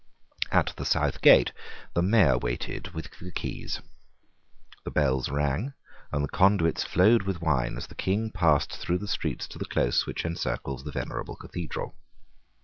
At the South Gate the Mayor waited with the keys. The bells rang and the conduits flowed with wine as the King passed through the streets to the close which encircles the venerable Cathedral.